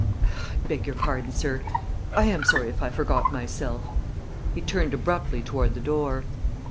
"I beg your pardon, sir. I am sorry if I forgot myself." He turned abruptly toward the door.